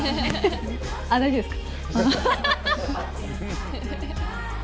大丈夫ですか。